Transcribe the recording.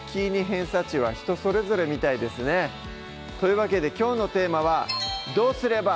偏差値は人それぞれみたいですねというわけできょうのテーマは「どうすれば？